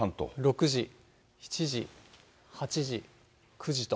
６時、７時、８時、９時と。